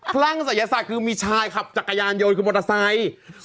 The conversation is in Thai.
ครั้งสายชาติคือมีชายขับจักรยานโยนคือมอเตอร์ไซต์